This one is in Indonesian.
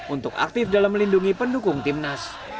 untuk aktif dalam melindungi pendukung timnas